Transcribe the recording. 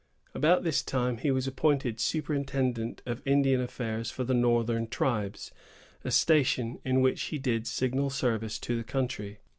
About this time, he was appointed superintendent of Indian affairs for the northern tribes, a station in which he did signal service to the country.